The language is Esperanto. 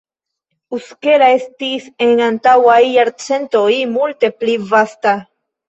Uskela estis en antaŭaj jarcentoj multe pli vasta.